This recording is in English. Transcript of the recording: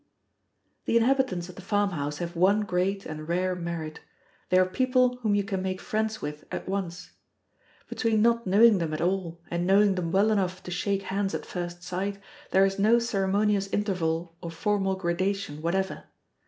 The inhabitants of the farmhouse have one great and rare merit they are people whom you can make friends with at once. Between not knowing them at all, and knowing them well enough to shake hands at first sight, there is no ceremonious interval or formal gradation whatever.